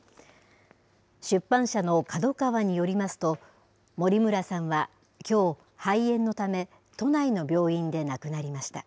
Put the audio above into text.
出版社のＫＡＤＯＫＡＷＡによりますと、森村さんはきょう、肺炎のため、都内の病院で亡くなりました。